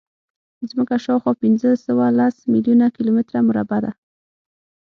ځمکه شاوخوا پینځهسوهلس میلیونه کیلومتره مربع ده.